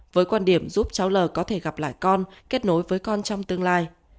với quan điểm giúp cháu l có thể gặp lại con kết nối với con trong tương lai